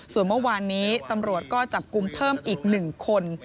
ส่วนเมื่อวานนี้ตำรวจก็จับกลุ่มเพิ่มอีก๑คน